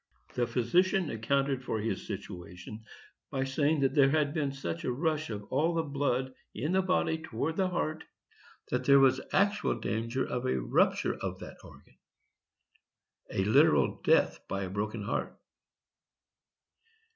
The physician accounted for his situation by saying that there had been such a rush of all the blood in the body towards the heart, that there was actual danger of a rupture of that organ,—a literal death by a broken heart.